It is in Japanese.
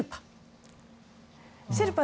シェルパ。